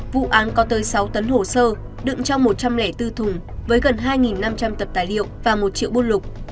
vụ án có tới sáu tấn hồ sơ đựng trong một trăm linh bốn thùng với gần hai năm trăm linh tập tài liệu và một triệu bôn lục